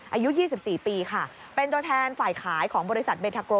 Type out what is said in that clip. อายุยี่สิบสี่ปีค่ะเป็นตัวแทนฝ่ายขายของบริษัทเบนทาโกร